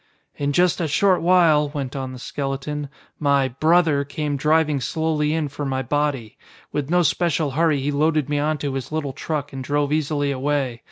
"In just a short while," went on the skeleton, "my 'brother' came driving slowly in for my body. With no special hurry he loaded me onto his little truck and drove easily away.